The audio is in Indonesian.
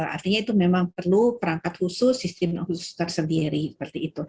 artinya itu memang perlu perangkat khusus sistem khusus tersendiri